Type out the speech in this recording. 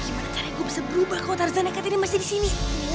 gimana caranya gue bisa berubah kalau tarzan nekat ini masih di sini